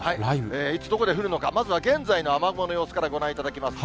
いつ、どこで降るのか、まずは現在の雨雲の様子からご覧いただきます。